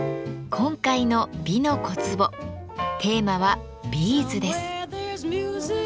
今回の「美の小壺」テーマは「ビーズ」です。